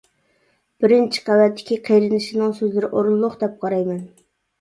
! بىرىنچى قەۋەتتىكى قېرىندىشىمنىڭ سۆزلىرى ئورۇنلۇق دەپ قارايمەن!